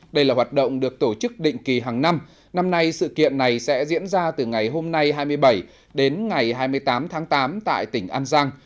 đây là hoạt động được tổ chức định kỳ hàng năm năm nay sự kiện này sẽ diễn ra từ ngày hôm nay hai mươi bảy đến ngày hai mươi tám tháng tám tại tỉnh an giang